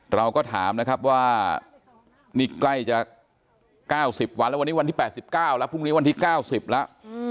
เราก็ถามนะครับว่านี่ใกล้จะ๙๐วันแล้ววันนี้วันที่๘๙แล้วพรุ่งนี้วันที่๙๐แล้ว